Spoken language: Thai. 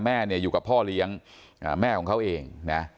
แม่เนี่ยอยู่กับพ่อเลี้ยงแม่ของเขาเองนะ